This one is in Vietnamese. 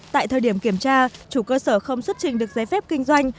tại thời điểm kiểm tra chủ cơ sở không xuất trình được giấy phép kinh doanh